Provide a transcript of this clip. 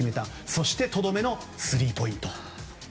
そしてとどめのスリーポイント。